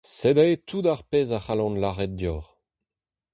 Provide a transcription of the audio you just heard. Sed aze tout ar pezh a c'hallan lâret deoc'h !